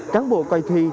cán bộ coi thi